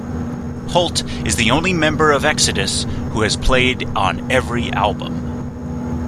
Holt is the only member of Exodus who has played on every album.